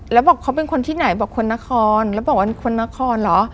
แล้วบอกเขาเป็นคนที่ไหนบอกคนนครแล้วบอกว่าเป็นคนนครเหรอ